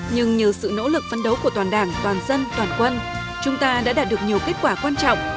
nhưng nhờ sự nỗ lực phấn đấu của toàn đảng toàn dân toàn quân chúng ta đã đạt được nhiều kết quả quan trọng